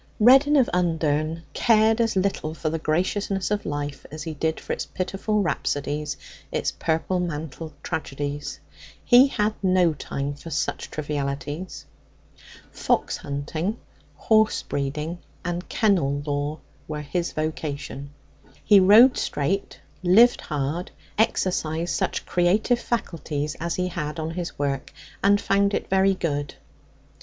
Reddin of Undern cared as little for the graciousness of life as he did for its pitiful rhapsodies, its purple mantled tragedies. He had no time for such trivialities. Fox hunting, horse breeding, and kennel lore were his vocation. He rode straight, lived hard, exercised such creative faculties as he had on his work, and found it very good.